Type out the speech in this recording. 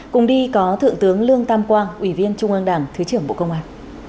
cùng đi có thượng tướng lương tam quang ủy viên trung an đảng thứ trưởng bộ công an